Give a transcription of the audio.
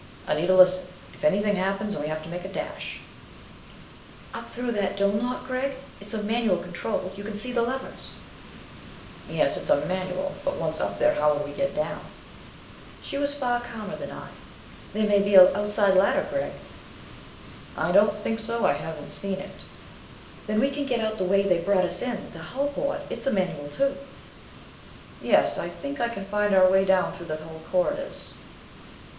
"Anita, listen: if anything happens and we have to make a dash " "Up through that dome lock, Gregg? It's a manual control; you can see the levers." "Yes. It's a manual. But once up there how would we get down?" She was far calmer than I. "There may be an outside ladder, Gregg." "I don't think so. I haven't seen it." "Then we can get out the way they brought us in. The hull port it's a manual, too." "Yes, I think I can find our way down through the hull corridors."